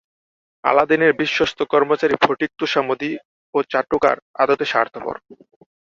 আলাদিনের বিশ্বস্ত কর্মচারী ফটিক তোষামোদী ও চাটুকার, আদতে স্বার্থপর।